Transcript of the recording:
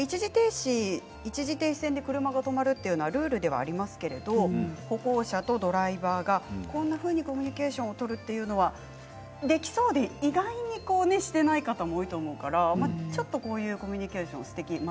一時停止線で車が止まるというルールではありますけれども歩行者とドライバーがこんなふうにコミュニケーションを取るというのはできそうで意外にしていない方も多いと思うからちょっとこういうコミュニケーションすてき